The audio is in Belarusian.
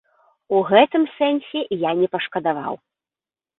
У гэтым сэнсе я не пашкадаваў.